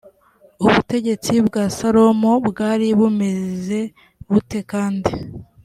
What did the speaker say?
ubutegetsi bwa salomo bwari bumeze bute kandi